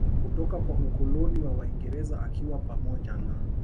kutoka kwa Ukoloni wa waingereza akiwa pamoja na